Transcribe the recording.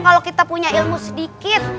kalau kita punya ilmu sedikit